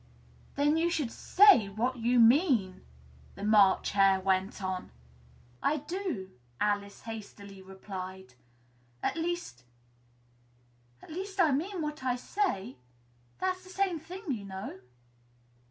"Then you should say what you mean," the March Hare went on. "I do," Alice hastily replied; "at least at least I mean what I say that's the same thing, you know."